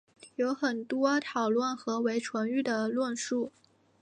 有很多讨论何为纯育的论述。